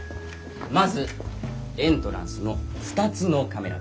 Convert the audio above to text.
まずエントランスの２つのカメラです。